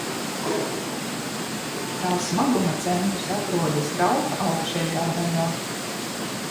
Tā smaguma centrs atrodas trauka augšējā daļā.